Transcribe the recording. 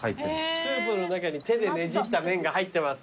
スープの中に手でねじった麺が入ってます。